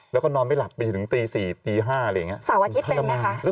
แล้วก็นอนไม่หลับไปถึงตี๔ตี๕อะไรอย่างนี้